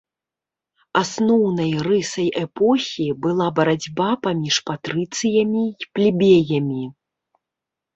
Асноўнай рысай эпохі была барацьба паміж патрыцыямі і плебеямі.